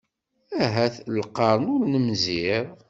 Ahat lqern ur nemmẓir!